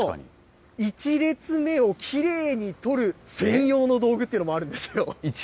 その１列目をきれいに取る専用の道具っていうのもあるんですよ。